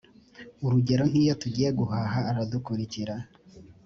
urugero nk’iyo tugiye guhaha aradukurikira